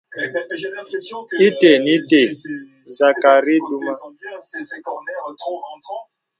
Ite nə̀ ite zakari dumə.